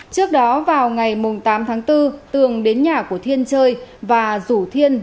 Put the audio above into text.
trước đó vào ngày tám tháng bốn tường đến nhà của thiên chơi và rủ thiên